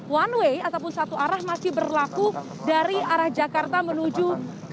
one way ataupun satu arah masih berlaku dari arah jakarta menuju ke